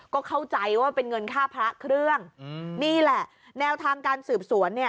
ก็เข้าใจว่าเป็นเงินค่าพระเครื่องนี่แหละแนวทางการสืบสวนเนี่ย